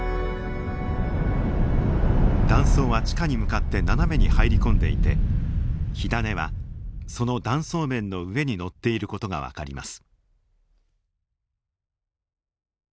断層は地下に向かって斜めに入り込んでいて火種はその断層面の上にのっている事が分かります。